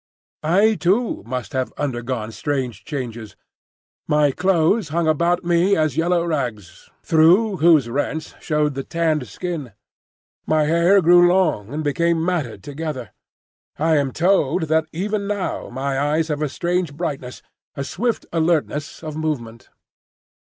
I too must have undergone strange changes. My clothes hung about me as yellow rags, through whose rents showed the tanned skin. My hair grew long, and became matted together. I am told that even now my eyes have a strange brightness, a swift alertness of movement.